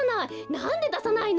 なんでださないの？